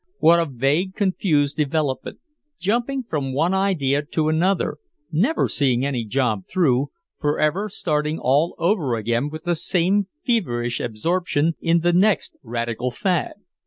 What a vague confused development, jumping from one idea to another, never seeing any job through, forever starting all over again with the same feverish absorption in the next new radical fad.